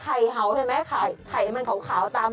ไอ้จ้า